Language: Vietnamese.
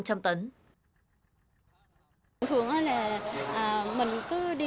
thường thường là mình cứ đi ra